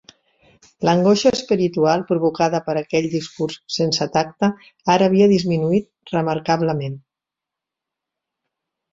L'angoixa espiritual provocada per aquell discurs sense tacte ara havia disminuït remarcablement.